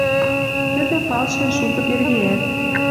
Тӹдӹ палшен шукы первиӓт.